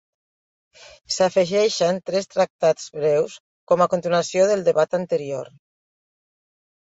S'afegeixen tres tractats breus com a continuació del debat anterior.